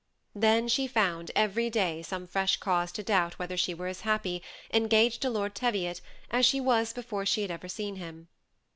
Then she found every day some fresh cause to doubt whether she were as happy, engaged to Lord Teviot, as she was before she had ever seen him.